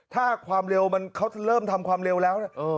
ถ้าความเร็วเขาเริ่มทำความเร็วแล้ว